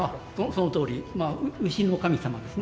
そのとおり丑の神様ですね。